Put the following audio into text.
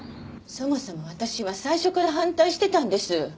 そもそも私は最初から反対してたんです。